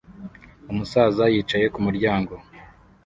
umusaza yicaye ku muryango